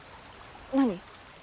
何？